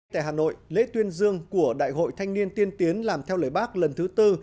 tại hà nội lễ tuyên dương của đại hội thanh niên tiên tiến làm theo lời bác lần thứ tư